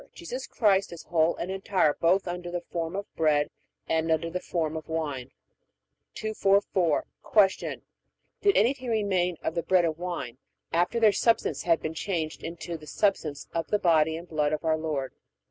Jesus Christ is whole and entire both under the form of bread and under the form of wine. 244. Q. Did anything remain of the bread and wine after their substance had been changed into the substance of the body and blood of our Lord?